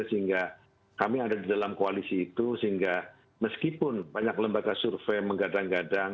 sehingga kami ada di dalam koalisi itu sehingga meskipun banyak lembaga survei menggadang gadang